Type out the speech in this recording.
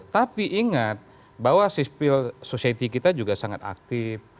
tapi ingat bahwa sisi sosial kita juga sangat aktif